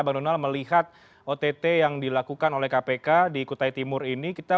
bang donald melihat ott yang dilakukan oleh kpk di kutai timur ini